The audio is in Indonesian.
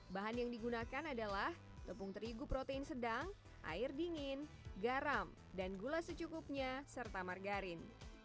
bahan yang digunakan adalah tepung terigu protein sedang air dingin garam dan gula secukupnya serta margarin